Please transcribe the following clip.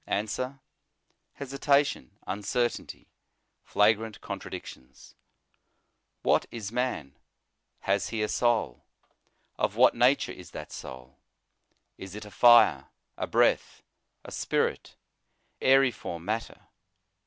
Answer: Hesitation, uncertainty, flagrant contradictions. What is man ? Has he a soul ? Of what nature is that soul? is it a fire? a breath? a spirit? aeriform matter?